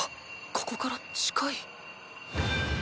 ここから近い？